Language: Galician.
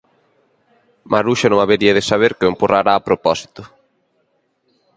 Maruxa non habería de saber que o empurrara a propósito;